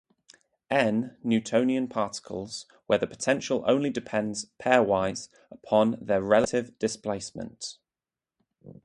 "N" Newtonian particles where the potential only depends pairwise upon the relative displacement.